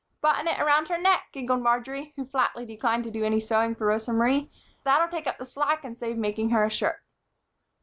"Button it about her neck," giggled Marjory, who flatly declined to do any sewing for Rosa Marie. "That'll take up the slack and save making her a shirt."